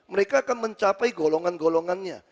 mereka akan mencapai golongan golongannya